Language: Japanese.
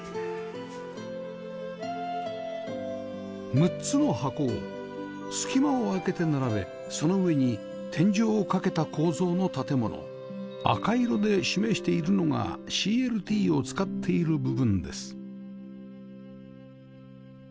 ６つの箱を隙間を空けて並べその上に天井を架けた構造の建物赤色で示しているのが ＣＬＴ を使っている部分です